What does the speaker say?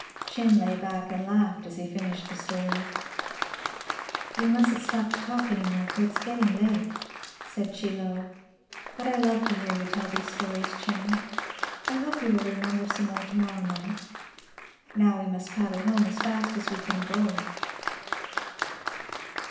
Chin lay back and laughed as he finished the story. "We mustn't stop to talk any more, for it is getting late," said Chie Lo. "But I love to hear you tell these stories, Chin. I hope you will remember some more to morrow night. Now we must paddle home as fast as we can go."